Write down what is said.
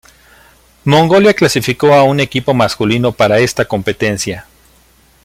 Mongolia clasificó a un equipo masculino para esta competencia.